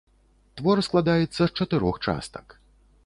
Твор складаецца з чатырох частак.